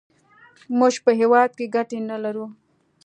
موږ په هېواد کې ګټې نه لرو.